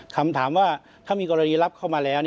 คำถามว่าถ้ามีกรณีรับเข้ามาแล้ว